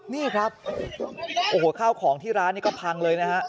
นี่ครับโอ้โหข้าวของที่ร้านนี้ก็พังเลยนะฮะ